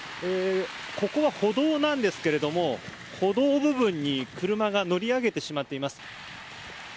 ここは歩道なんですけども歩道部分に車が乗り上げてしまっています。